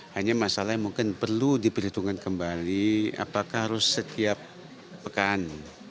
hanya masalah yang mungkin perlu diperhitungkan kembali apakah harus setiap pekan